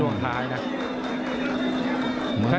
ก็ออกตายเลยนะ